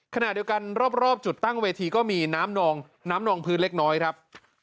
ขณะเดียวกันรอบจุดตั้งเวทีก็มีน้ำนองพื้นเล็กน้อยครับ